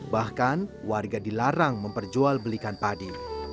bahkan warga dilarang memperjualbelikan padi